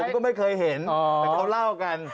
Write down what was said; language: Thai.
ก็ไม่เคยเห็นแต่เขาเล่ากัน